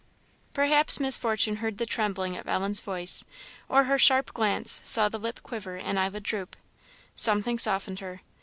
Perhaps Miss Fortune heard the trembling of Ellen's voice, or her sharp glance saw the lip quiver and eyelid droop. Something softened her.